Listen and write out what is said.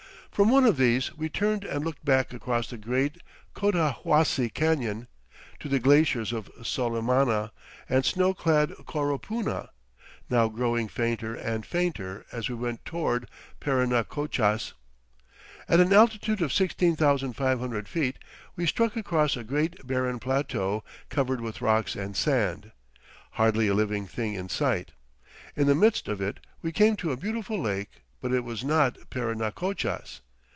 From one of these we turned and looked back across the great Cotahuasi Canyon, to the glaciers of Solimana and snow clad Coropuna, now growing fainter and fainter as we went toward Parinacochas. At an altitude of 16,500 feet we struck across a great barren plateau covered with rocks and sand hardly a living thing in sight. In the midst of it we came to a beautiful lake, but it was not Parinacochas.